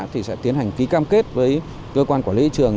thì sẽ tiến hành ký cam kết với cơ quan quản lý thị trường